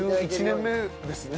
１１年目ですね。